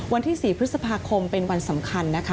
วันที่๔พฤษภาคมเป็นวันสำคัญนะคะ